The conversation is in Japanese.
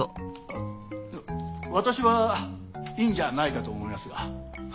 私はいいんじゃないかと思いますが。